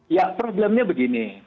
ya problemnya begini